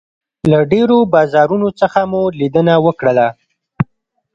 له ډېرو بازارونو څخه مو لیدنه وکړله.